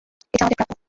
এটা আমাদের প্রাপ্য।